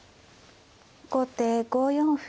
後手５四歩。